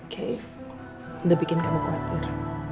key udah bikin kamu khawatir